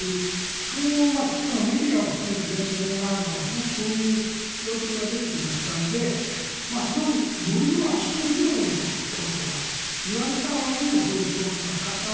その危機感をメディアを含めて専門家なんかもすごくそういう論調が出てきましたので共和党がものすごい圧勝するだろうと言われた割にはそこでストップがかかった。